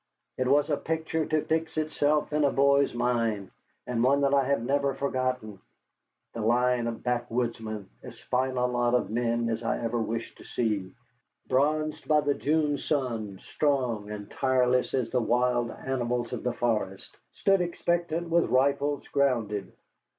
It was a picture to fix itself in a boy's mind, and one that I have never forgotten. The line of backwoodsmen, as fine a lot of men as I ever wish to see, bronzed by the June sun, strong and tireless as the wild animals of the forest, stood expectant with rifles grounded.